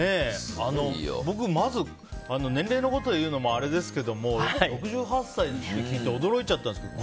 僕、まず年齢のことを言うのもあれですけど６８歳って聞いて驚いちゃったんですけど。